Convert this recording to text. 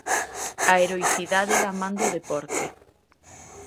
A heroicidade da man do deporte.